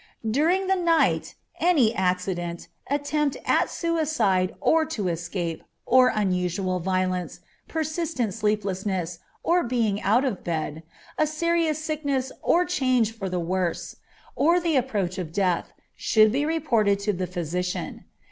During the night, any accident, attempt at suicide or to escape, or unusual violence, persistent sleeplessness, or being out of bed, a serious sickness or change for the worse, or the approach of death, should be reported to the physician.